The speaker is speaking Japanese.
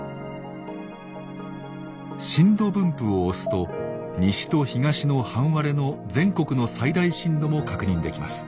「震度分布」を押すと西と東の半割れの全国の最大震度も確認できます。